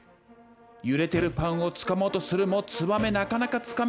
揺れてるパンをつかもうとするもツバメなかなかつかめず。